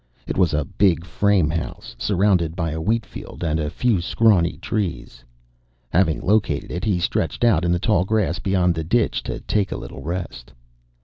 It was a big frame house surrounded by a wheatfield, and a few scrawny trees. Having located it, he stretched out in the tall grass beyond the ditch to take a little rest.